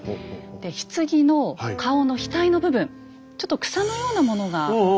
棺の顔の額の部分ちょっと草のようなものが見えますか？